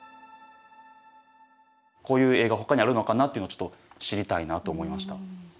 こういう絵がほかにあるのかなというのをちょっと知りたいなと思いました。